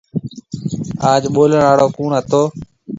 آج ٻولڻ آݪو ڪوُڻ هتو۔